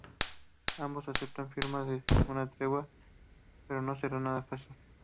Ambos aceptan firmar una tregua, pero no será nada fácil.